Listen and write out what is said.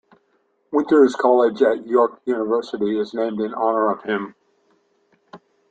Winters College at York University is named in honour of him.